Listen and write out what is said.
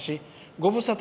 ごぶさた！